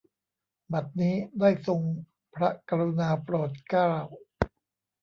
บัดนี้ ได้ทรงพระกรุณาโปรดเกล้า